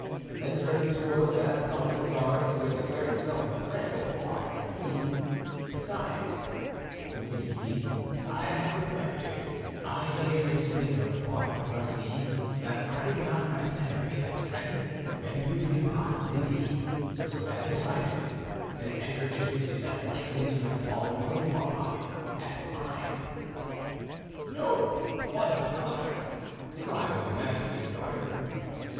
Then turning toward that one of the guards who had declared himself the friend of Bois Tracy, "Besides," continued he, "I have reflected, my dear intimate of Bois Tracy, that I am not less tenderly his friend than you can possibly be; so that decidedly this handkerchief is as likely to have fallen from your pocket as mine." "No, upon my honor!" cried his Majesty's Guardsman.